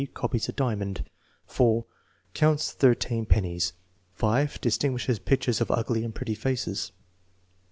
Oopios a diamond, k Counts thirteen, pennies. 5. Distinguishes pictures of ugly and prclLy faces.